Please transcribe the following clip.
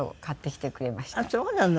あっそうなの。